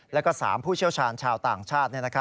แล้วก็๓ผู้เชี่ยวชาญชาวต่างชาติ